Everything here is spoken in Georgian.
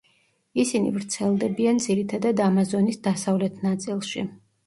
ისინი ვრცელდებიან ძირითადად ამაზონის დასავლეთ ნაწილში.